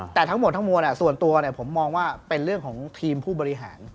แต่ทั้งหมดส่วนตัวเนี่ยผมมองว่าเป็นเรื่องของทีมผู้บริหาร